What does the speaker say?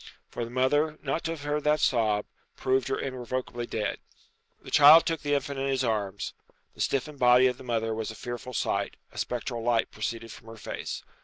For the mother not to have heard that sob, proved her irrevocably dead. The child took the infant in his arms. The stiffened body of the mother was a fearful sight; a spectral light proceeded from her face.